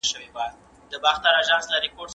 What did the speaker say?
د ژوند حق د ټولو انسانانو لپاره برابر دی.